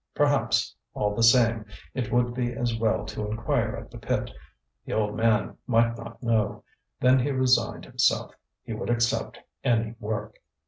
Perhaps, all the same, it would be as well to inquire at the pit, the old man might not know. Then he resigned himself; he would accept any work.